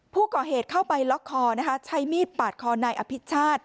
ผู้ก่อเหตุเข้าไปล็อกคอนะคะใช้มีดปาดคอนายอภิชาติ